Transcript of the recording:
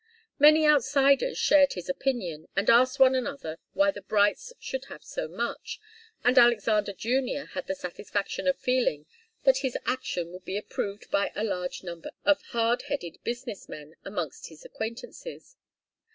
Many outsiders shared his opinion, and asked one another why the Brights should have so much, and Alexander Junior had the satisfaction of feeling that his action would be approved by a large number of hard headed business men amongst his acquaintances.